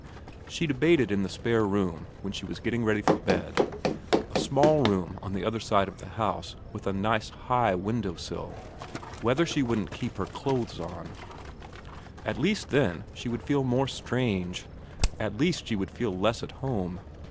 She debated in the spare room when she was getting ready for bed a small room on the other side of the house, with a nice high window sill whether she wouldn't keep her clothes on. At x 306 VERA XXVII least then she would feel more strange, at least she would feel less at home.